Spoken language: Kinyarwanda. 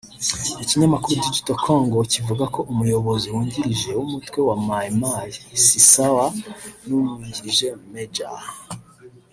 Ikinyamakuru Digital Congo kivuga ko Umuyobozi wungirije w’umutwe wa Maï Maï Sisawa n’umwungirije Maj